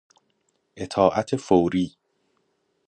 اطاعت فوری